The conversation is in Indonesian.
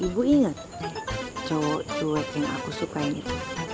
ibu ingat cowok cuek yang aku suka ingat